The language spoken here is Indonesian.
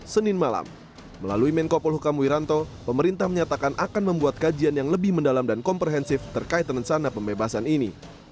senin malam melalui menko polhukam wiranto pemerintah menyatakan akan membuat kajian yang lebih mendalam dan komprehensif terkait rencana pembebasan ini